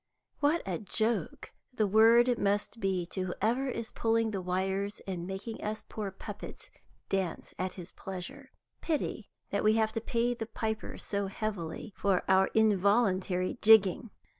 What a joke the word must be to whoever is pulling the wires and making us poor puppets dance at his pleasure. Pity that we have to pay the piper so heavily for our involuntary jigging!"